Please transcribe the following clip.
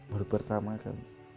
baru pertama kan